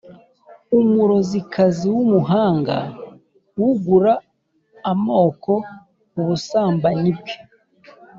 umurozikazi w’umuhanga ugura amoko ubusambanyi bwe